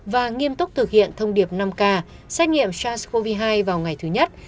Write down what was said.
và nghiêm túc thực hiện thông điệp năm k xét nghiệm sars cov hai vào ngày thứ nhất